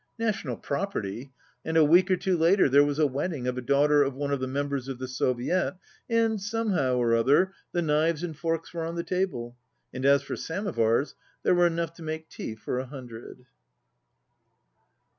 National prop erty ! And a week or two later there was a wed ding of a daughter of one of the members of the Soviet, and somehow or other the knives and forks were on the table, and as for samovars, there were enough to make tea for a hundred."